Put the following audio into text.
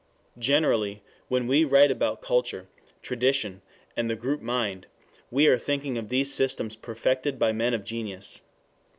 Generally when we write about culture, tradition, and the group mind, we are thinking of these systems perfected by men of genius.